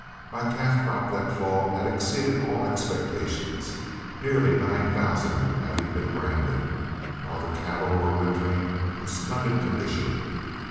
My calf crop that fall had exceeded all expectations, nearly nine thousand having been branded, while the cattle were wintering in splendid condition.